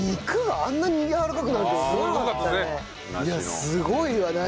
いやすごいわ梨。